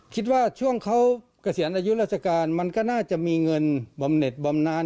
คิดว่าช่วงเขาเกษียณอายุราชการมันก็น่าจะมีเงินบำเน็ตบำนาน